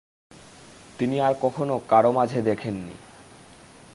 তিনি আর কখনও কারো মাঝে দেখেননি।